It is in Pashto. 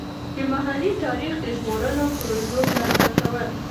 د محلي تاریخ د ژغورلو پروژو ملاتړ کول.